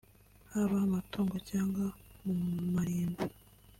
haba mu matongo cyangwa mu marimbi